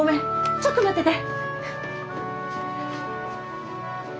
ちょっと待ってて。